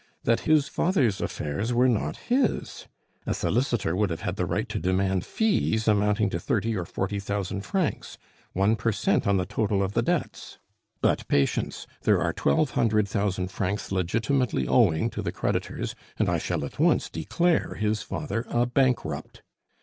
that his father's affairs were not his! A solicitor would have had the right to demand fees amounting to thirty or forty thousand francs, one per cent on the total of the debts. But patience! there are twelve hundred thousand francs legitimately owing to the creditors, and I shall at once declare his father a bankrupt.